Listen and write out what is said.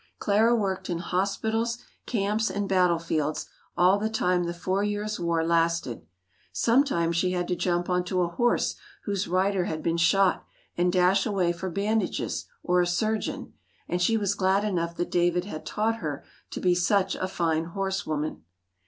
Clara worked in hospitals, camps, and battlefields all the time the four years' war lasted. Sometimes she had to jump on to a horse whose rider had been shot and dash away for bandages or a surgeon, and she was glad enough that David had taught her to be such a fine horsewoman.